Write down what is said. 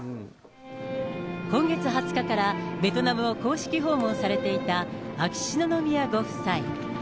今月２０日からベトナムを公式訪問されていた秋篠宮ご夫妻。